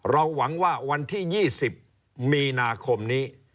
หวังว่าวันที่๒๐มีนาคมนี้